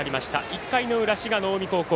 １回の裏、滋賀、近江高校